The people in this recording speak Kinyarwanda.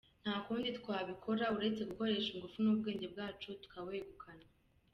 Nta kundi twabikora uretse gukoresha ingufu n’ubwenge bwacu tukawegukana.